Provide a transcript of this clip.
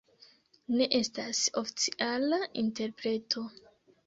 Ne estas oficiala interpreto.